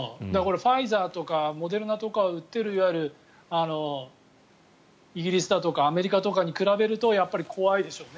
ファイザーとかモデルナを打てるいわゆるイギリスだとかアメリカに比べると怖いでしょうね。